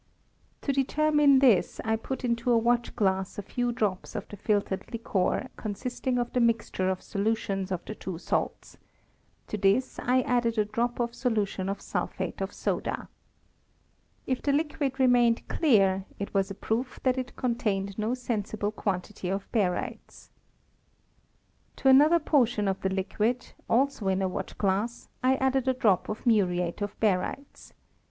To deter mine this I put into a watch glass a few drops of the filtered liquor consisting of the mixture of solutions of the two salts : to this I added a drop of solution of sulphate of soda. If the liquid remained clear it was a proof that it contained no sensible quantity of barytes. To another portion of the liquid, also in a watch glass, I added a drop of muriate of barytes.